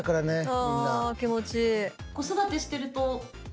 ああ気持ちいい。